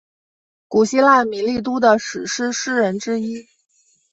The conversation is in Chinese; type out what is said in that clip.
古希腊米利都的史诗诗人之一。